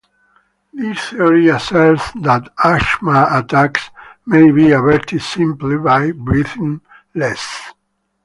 This theory asserts that asthma attacks may be averted simply by breathing less.